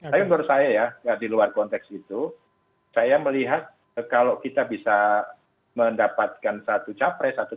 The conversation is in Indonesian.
tapi menurut saya ya di luar konteks itu saya melihat kalau kita bisa mendapatkan satu capres satu